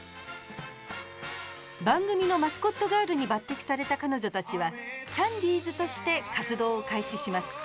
番組のマスコットガールに抜擢された彼女たちはキャンディーズとして活動を開始します。